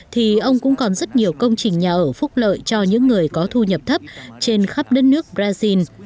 thì ông cũng còn rất nhiều công trình nhà ở phúc lợi cho những người có thu nhập thấp trên khắp đất nước brazil